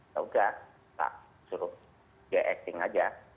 yaudah tak suruh dia acting aja